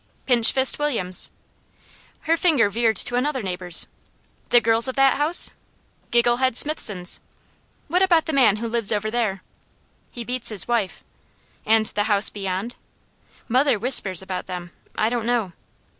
"Pinch fist Williams." Her finger veered to another neighbour's. "The girls of that house?" "Giggle head Smithsons." "What about the man who lives over there?" "He beats his wife." "And the house beyond?" "Mother whispers about them. I don't know."